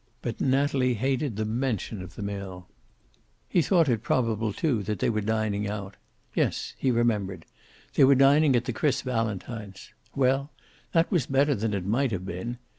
But Natalie hated the mention of the mill. He thought it probable, too, that they were dining out. Yes, he remembered. They were dining at the Chris Valentines. Well, that was better than it might have been.